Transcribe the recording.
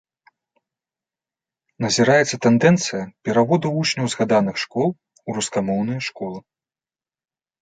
Назіраецца тэндэнцыя пераводу вучняў згаданых школ у рускамоўныя школы.